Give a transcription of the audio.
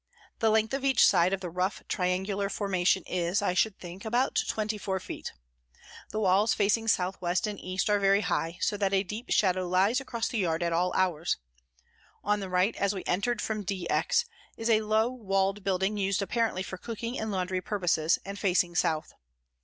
The length of each side 188 of the rough, triangular formation is, I should think, about twenty four feet. The walls facing south west and east are very high, so that a deep shadow lies across the yard at all hours ; on the right, as we entered from D X, is a low walled building used apparently, for cooking and laundry purposes and facing south.